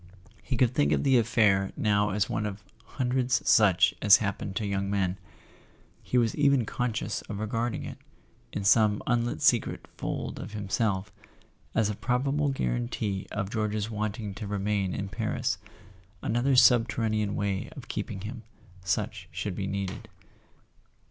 He could think of the affair now as one of hundreds such as happen to young men; he was even conscious of re¬ garding it, in some unlit secret fold of himself, as a prob¬ able guarantee of George's wanting to remain in Paris, another subterranean way of keeping him, should such be needed.